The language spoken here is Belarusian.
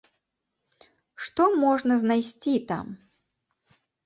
Што можна знайсці там?